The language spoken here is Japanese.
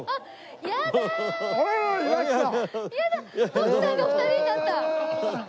徳さんが２人になった！